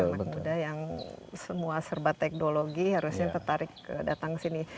anak muda yang semua serba teknologi harusnya tertarik datang ke sini